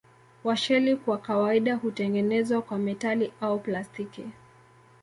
Washeli kwa kawaida hutengenezwa kwa metali au plastiki.